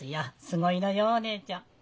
すごいのよお姉ちゃん。